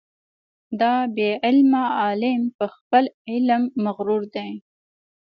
دا بې علمه عالم په خپل علم مغرور دی.